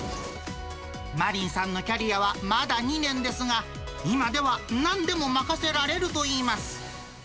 真凜さんのキャリアはまだ２年ですが、今ではなんでも任せられるといいます。